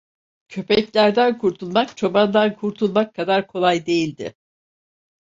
Köpeklerden kurtulmak çobandan kurtulmak kadar kolay değildi.